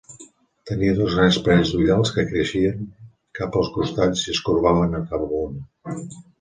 Tenia dos grans parells d'ullals que creixien cap als costats i es corbaven cap amunt.